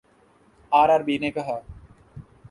RRB نے کہا